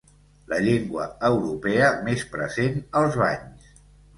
La llengua europea més present als banys.